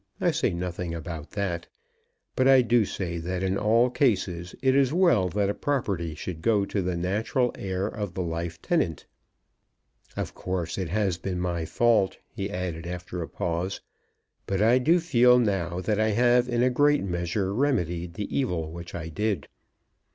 I say nothing about that. But I do say that in all cases it is well that a property should go to the natural heir of the life tenant. Of course it has been my fault," he added after a pause; "but I do feel now that I have in a great measure remedied the evil which I did."